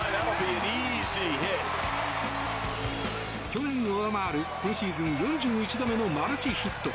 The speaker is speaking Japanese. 去年を上回る今シーズン４１度目のマルチヒット。